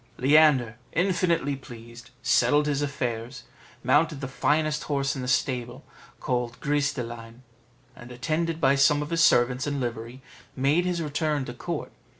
Leander, infinitely pleased, settled his affairs, mounted the finest horse in the stable, called Gris de line, and attended by some of his servants in livery, made his return to court.